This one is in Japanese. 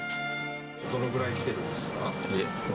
どのぐらい来てるんですか？